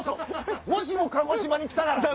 もしも鹿児島に来たら。